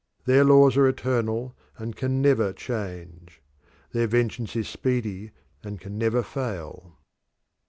Their laws are eternal and can never change. Their vengeance is speedy and can never fail.